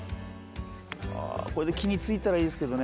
これで木についたらいいんですけどね。